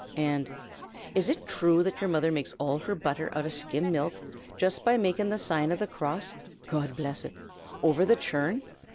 and "Is it thrue that yer mother makes all her butther out av skim milk just by making the sign of the cross God bless it! over the churn?"